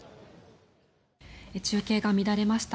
中継が乱れました。